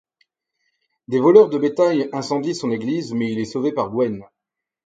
Des voleurs de bétail incendient son église, mais il est sauvé par Gwen.